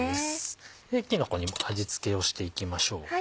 きのこにも味付けをしていきましょう。